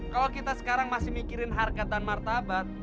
kalau kita sekarang masih mikirin harkatan martabat